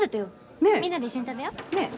みんなで一緒に食べよう。